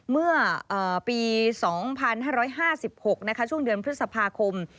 เมื่อปี๒๕๕๖ช่วงเดือนพฤษภาคม